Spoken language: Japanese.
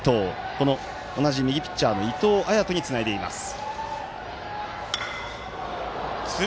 この同じ右ピッチャーの伊藤彩斗につないでいます。